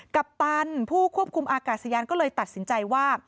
ปัปตันผู้ควบคุมอากาศยานก็เลยตัดสินใจว่า